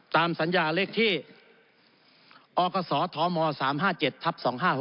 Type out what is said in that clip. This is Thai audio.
ตามสัญญาเลขที่อคศธม๓๕๗ทับ๒๕๖๖